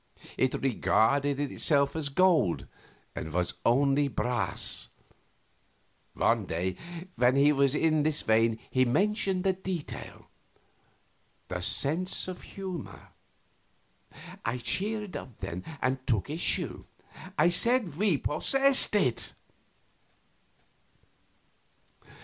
It regarded itself as gold, and was only brass. One day when he was in this vein he mentioned a detail the sense of humor. I cheered up then, and took issue. I said we possessed it.